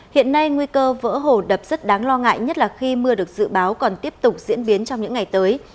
hiện nay nguy cơ vỡ hồ đập rất đáng lo ngại nhất là khi mưa được dự báo còn tiếp tục diễn biến trong những ngày tới